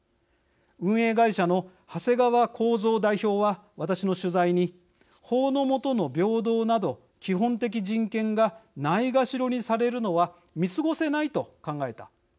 運営会社の長谷川耕造代表は私の取材に「法の下の平等など基本的人権がないがしろにされるのは見過ごせないと考えた。